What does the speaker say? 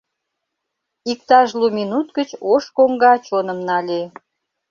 Иктаж лу минут гыч ош коҥга чоным нале.